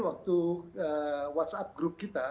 waktu whatsapp grup kita